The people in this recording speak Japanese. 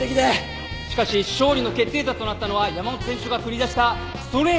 しかし勝利の決定打となったのは山本選手が繰り出したストレートな告白でした！